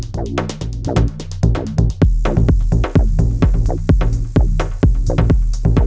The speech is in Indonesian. bapak sepertinya sangat memusuhi fatima